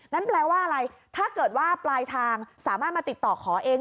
แปลว่าอะไรถ้าเกิดว่าปลายทางสามารถมาติดต่อขอเอง